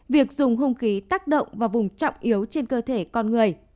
việc dùng hung khí tác động vào vùng trọng yếu trên cơ thể con người